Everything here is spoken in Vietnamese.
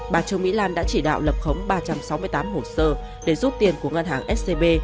bà trương mỹ lan đã chỉ đạo lập khống ba trăm sáu mươi tám hồ sơ để giúp tiền của ngân hàng scb